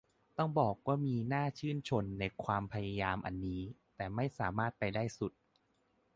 ต้องบอกว่ามีน่าชื่นชนในความพยายามอันนี้ แต่ไม่สามารถไปได้สุด